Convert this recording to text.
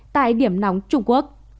tại điểm nóng trung quốc